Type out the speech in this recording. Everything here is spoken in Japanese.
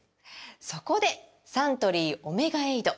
そこでサントリー「オメガエイド」！